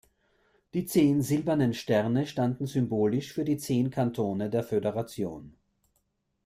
Die zehn silbernen Sterne standen symbolisch für die zehn Kantone der Föderation.